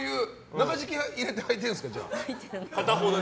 中敷き入れて履いてるんですか。